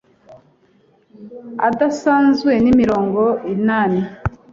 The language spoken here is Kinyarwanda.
adasanzwe mirongo inani